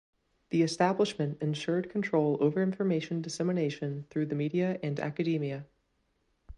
The Establishment ensured control over information dissemination through the media and academia.